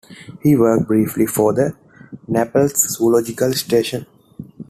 He worked briefly for the Naples Zoological Station.